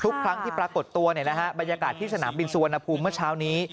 ทุกครั้งที่ปรากฏตัวบรรยากาศที่สนามบินสุวรรณภูมิเมื่อเช้านี้